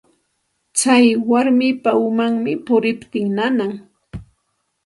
Tsay warmapa umanmi puriptin nanan.